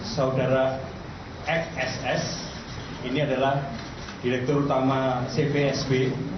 saudara xss ini adalah direktur utama cpsb